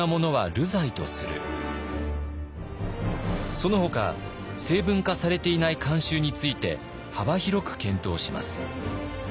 そのほか成文化されていない慣習について幅広く検討します。